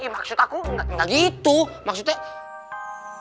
maksud aku nggak gitu maksudnya